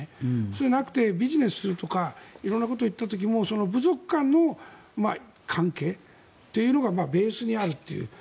そうじゃなくてビジネスするとか色んなことを言っている時も部族間の関係がベースにあるという。